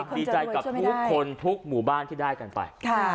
ดีใจกับทุกคนทุกหมู่บ้านที่ได้กันไป